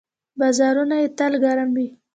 بازارونه یې تل ګرم وي.